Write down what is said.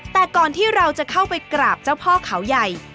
แต่ก่อนที่เราจะเข้าไปกราบเจ้าพ่อเขาใหญ่